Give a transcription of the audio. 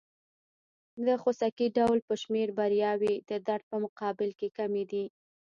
د خوسکي ډول په شمېر بریاوې د درد په مقابل کې کمې دي.